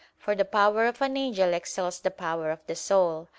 For the power of an angel excels the power of the soul.